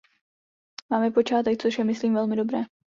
Máme počátek, což je myslím velmi dobré.